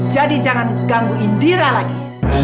jadi jangan ganggu indira lagi